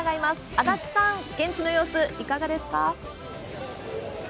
足立さん、現地の様子、いかがですか？